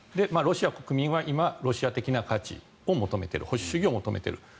ロシア国民は今ロシア的な価値を求めている保守主義を求めている。